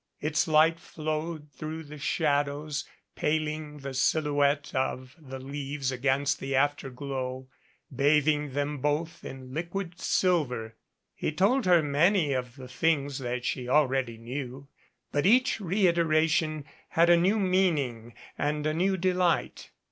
Its light flowed through the shadows, paling the silhouette of the leaver against the afterglow, bathing them both in liquid silver. He told her many of the things that she already knew, bu<:. each reiteration had a new meaning and a new delight.